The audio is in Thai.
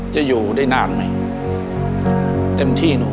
จะอยู่ได้นานไหมเต็มที่หนู